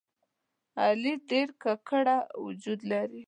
علي ډېر ګګړه وجود لري.